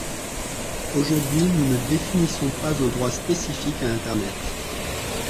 Aujourd’hui, nous ne définissons pas un droit spécifique à internet.